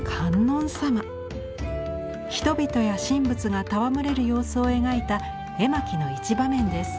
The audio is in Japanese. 人々や神仏が戯れる様子を描いた絵巻の一場面です。